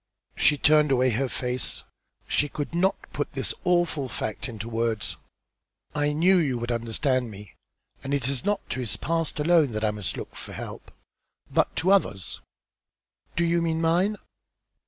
She turned away her face. She could not put the awful fact into words. "I knew you would understand me, and it is not to his past alone that I must look for help, but to others." "Do you mean mine?"